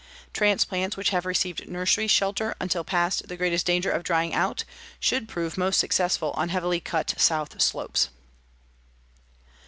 Transplants which have received nursery shelter until past the greatest danger of drying out should prove most successful on heavily cut south slopes.